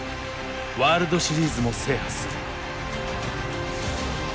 ワールドシリーズも制覇する。